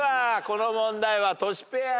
この問題はトシペア。